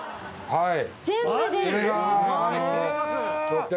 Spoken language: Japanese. はい。